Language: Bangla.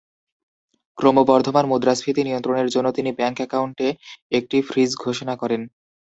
ক্রমবর্ধমান মুদ্রাস্ফীতি নিয়ন্ত্রণের জন্য তিনি ব্যাংক অ্যাকাউন্টে একটি ফ্রিজ ঘোষণা করেন।